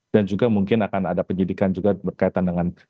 dan juga mungkin akan ada penyidikan juga berkaitan dengan